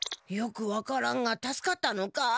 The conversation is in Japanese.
よく分からんが助かったのか？